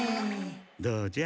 どうじゃ？